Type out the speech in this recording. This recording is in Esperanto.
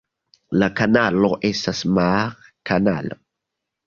La kanalo estas mar-kanalo.